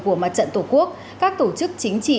của mặt trận tổ quốc các tổ chức chính trị